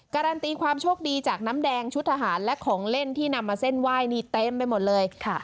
การันตีความโชคดีจากน้ำแดงชุดทหารและของเล่นที่นำมาเส้นไหว้นี่เต็มไปหมดเลย